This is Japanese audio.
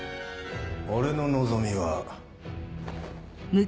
俺の望みは。